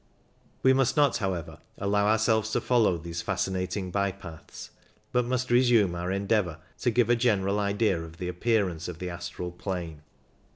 We must not, however, allow ourselves to follow these fascinating bye paths, but must resume our endeavour to give a general idea of the appearance of the astral plane.